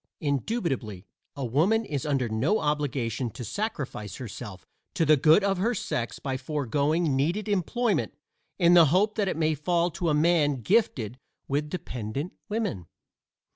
Indubitably a woman is under no obligation to sacrifice herself to the good of her sex by foregoing needed employment in the hope that it may fall to a man gifted with dependent women.